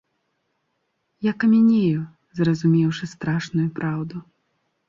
Я камянею, зразумеўшы страшную праўду.